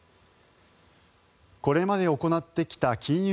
これまで行ってきた金融